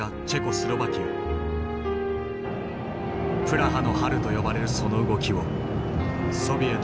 プラハの春と呼ばれるその動きをソビエトが弾圧した。